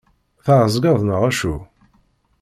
Tεeẓgeḍ neɣ acu?